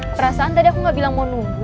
perasaan tadi aku gak bilang mau nunggu